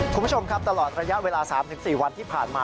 คุณผู้ชมครับตลอดระยะเวลา๓๔วันที่ผ่านมา